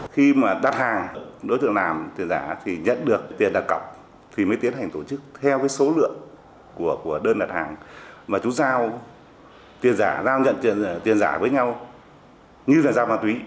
khi mà đặt hàng đối tượng làm tiền giả thì nhận được tiền đặt cọc thì mới tiến hành tổ chức theo cái số lượng của đơn đặt hàng mà chú giao tiền giả giao nhận tiền giả với nhau như là giao ma túy